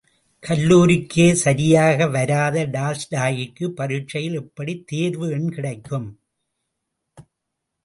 கல்லூரிக்கே சரியாக வராத டால்ஸ்டாயிக்கு பரீட்சையில் எப்படித் தேர்வு எண் கிடைக்கும்?